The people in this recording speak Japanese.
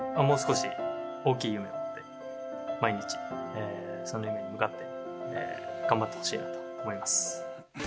もう少し大きい夢を持って、毎日その夢に向かって頑張ってほしいなと思います。